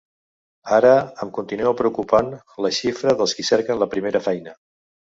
Ara, em continua preocupant la xifra dels qui cerquen la primera feina.